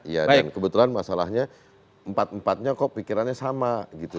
iya dan kebetulan masalahnya empat empatnya kok pikirannya sama gitu